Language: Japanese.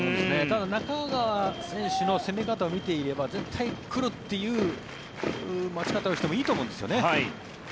ただ、中川選手の攻め方を見ていれば絶対に来るっていう待ち方をしてもいいと思うんですよね。